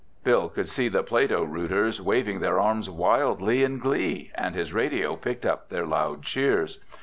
Bill could see the Plato rooters waving their arms wildly in glee, and his radio picked up their loud cheers.